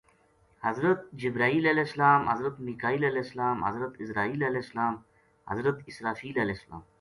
حضرت جبرائیل، حضرت میکائیل، حضرت عزرائیل، حضرت اسرافیل